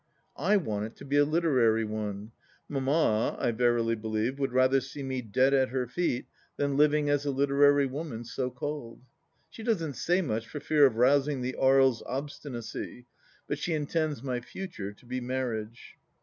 I want it to be a literary one; Mamma, I verily believe, would rather see me dead at her feet than living as a literary woman, so called. She doesn't say much for fear of rousing the Aries obstinacy, but she intends my future to be Marriage